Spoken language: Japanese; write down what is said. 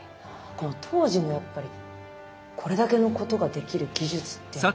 この当時のやっぱりこれだけのことができる技術っていうのは。